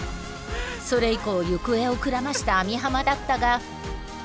それ以降行方をくらました網浜だったが。